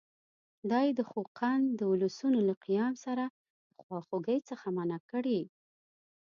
دا یې د خوقند د اولسونو له قیام سره د خواخوږۍ څخه منع کړي.